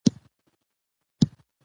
که ګروپ روغ وي نو کوټه نه تیاره کیږي.